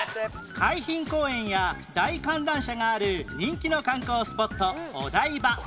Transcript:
海浜公園や大観覧車がある人気の観光スポットお台場